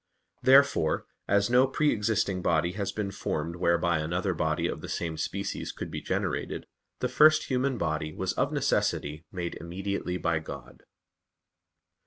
Therefore as no pre existing body has been formed whereby another body of the same species could be generated, the first human body was of necessity made immediately by God.